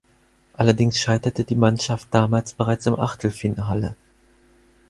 Allerdings scheiterte die Mannschaft damals bereits im Achtelfinale.